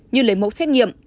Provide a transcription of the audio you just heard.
như lấy mẫu xét nghiệm